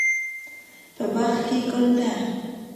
په باغ کې ګل ده